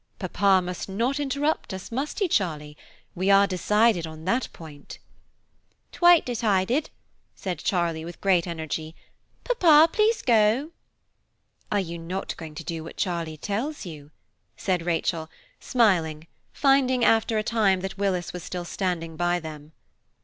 Papa must not interrupt us, must he, Charlie? We are decided on that point." "Twite detided," said Charlie with great energy; "papa, please go." "Are you not going to do what Charlie tells you?" said Rachel, smiling, finding after a time that Willis was still standing by them.